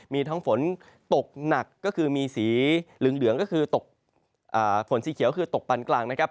มีทั้งฝนตกหนักก็คือมีสีเหลืองก็คือตกฝนสีเขียวคือตกปันกลางนะครับ